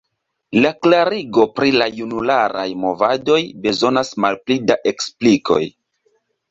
La klarigo pri la junularaj movadoj bezonas malpli da eksplikoj.